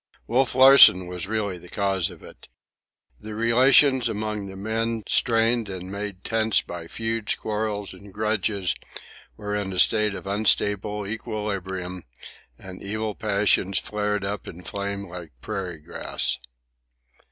Wolf Larsen was really the cause of it. The relations among the men, strained and made tense by feuds, quarrels and grudges, were in a state of unstable equilibrium, and evil passions flared up in flame like prairie grass.